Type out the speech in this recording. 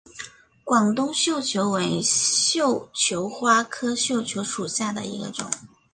广东绣球为绣球花科绣球属下的一个种。